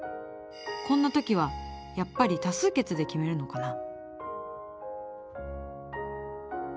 こんな時はやっぱり多数決で決めるのかな？